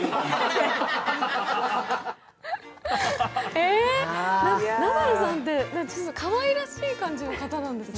えー、ナダルさんってかわいらしい感じの方なんですね。